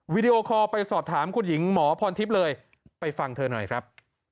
วิดีโอคอลไปสอบถามคุณหญิงหมอพรทิพย์เลยไปฟังเธอหน่อยครับ